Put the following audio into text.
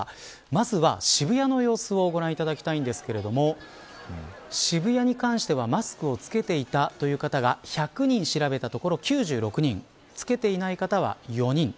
まずは、渋谷の様子をご覧いただきたいんですけれど渋谷に関してはマスクを着けていたという方が１００人調べたところ９６人着けていない方は４人。